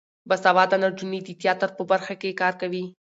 باسواده نجونې د تیاتر په برخه کې کار کوي.